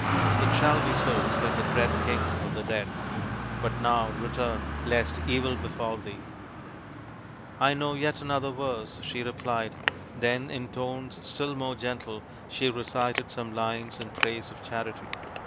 " It shall be so," said the dread King of the Dead ;" but now return, lest evil befall thee." " I know yet another verse," she replied. Then in tones still more gentle she recited some lines in praise of Charity.